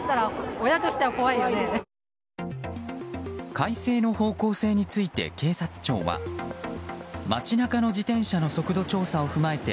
改正の方向性について警察庁は街中の自転車の速度調査を踏まえて